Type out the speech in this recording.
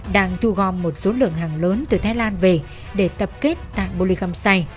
đang thu gom một số lượng hàng lớn từ thái lan về để tập kết tại bô lê khăm say